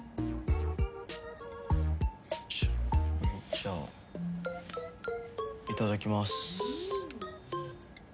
じゃあいただきます。